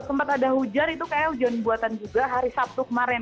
sempat ada hujan itu kayaknya hujan buatan juga hari sabtu kemarin